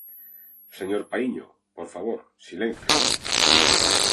Señor Paíño, por favor, silencio.